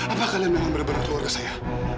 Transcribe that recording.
apa kalian memang benar benar keluarga saya